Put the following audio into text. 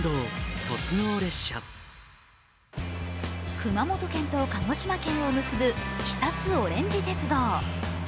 熊本県と鹿児島県を結ぶ肥薩おれんじ鉄道。